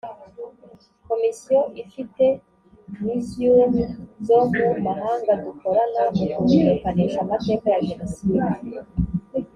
komisiyo ifite museums zo mu mahanga dukorana mu kumenyekanisha amateka ya jenoside